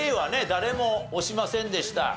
誰も押しませんでした。